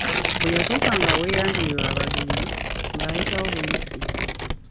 Bwe yatuukanga aweeyanjulirwa abagenyi, ng'ayitawo buyisi.